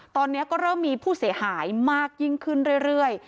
ตอนนี้ก็เริ่มมีผู้เสียหายมากยิ่งขึ้นเรื่อย